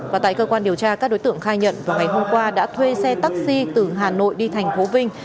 và tại cơ quan điều tra các đối tượng khai nhận vào ngày hôm qua đã thuê xe taxi từ hà nội đi thành phố vinh